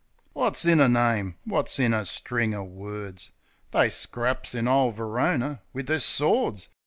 Wot's in a name? Wot's in a string o' words? They scraps in ole Verona wiv the'r swords.